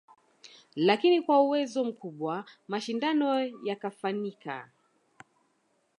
Lakini kwa uwezo mkubwa mashindano yakafanyika